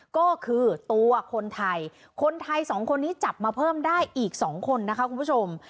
ก็คือตัวคนไทยคนไทยสองคนนี้จับมาเพิ่มได้อีก๒คนนะคะคุณผู้ชม